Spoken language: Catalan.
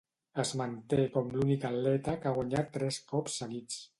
Es manté com l'únic atleta que l'ha guanyat tres cops seguits.